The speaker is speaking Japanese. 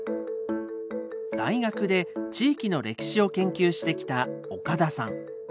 大学で地域の歴史を研究してきた岡田さん。